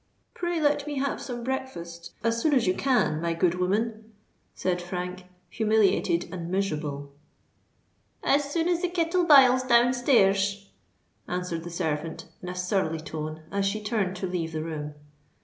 "Pray let me have some breakfast us soon as you can, my good woman," said Frank, humiliated and miserable. "As soon as the kittle biles down stairs," answered the servant, in a surly tone, as she turned to leave the room.